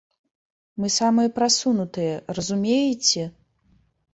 Мы самыя прасунутыя, разумееце?